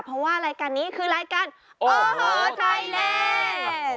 เพราะว่ารายการนี้คือรายการโอ้โหไทยแลนด์